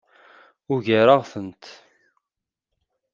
Ugareɣ-tent.